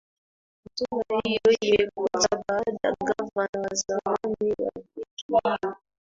hatua hiyo imekuja baada gavana wa zamani wa benki hiyo